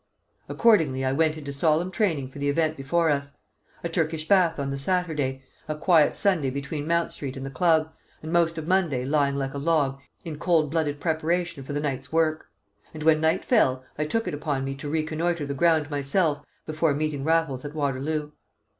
Accordingly I went into solemn training for the event before us: a Turkish bath on the Saturday, a quiet Sunday between Mount Street and the club, and most of Monday lying like a log in cold blooded preparation for the night's work. And when night fell I took it upon me to reconnoitre the ground myself before meeting Raffles at Waterloo.